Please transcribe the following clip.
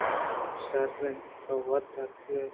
شر اِنت کہ تو وت اتکئے